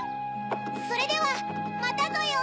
それではまたぞよ！